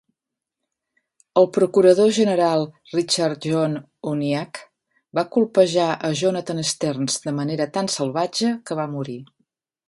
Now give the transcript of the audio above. El procurador general, Richard John Uniacke, va colpejar a Jonathan Sterns de manera tan "salvatge" que va morir.